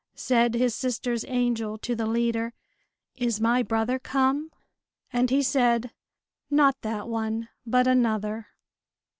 Said his sister's angel to the leader: "Is my brother come?" And he said "Not that one, but another."